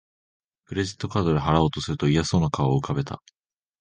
クレジットカードで払おうとすると嫌そうな顔を浮かべた